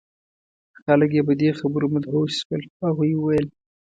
خلک یې په دې خبرو مدهوش شول. هغوی وویل: